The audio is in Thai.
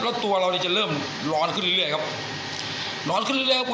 แล้วตัวเราเนี่ยจะเริ่มร้อนขึ้นเรื่อยครับร้อนขึ้นเรื่อย